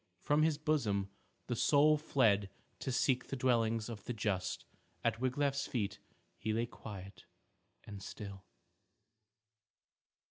From his bosom the soul fled to seek the dwellings of the just. At Wiglaf's feet he lay quiet and still.